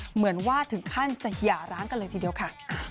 เหมือนว่าถึงขั้นจะหย่าร้างกันเลยทีเดียวค่ะ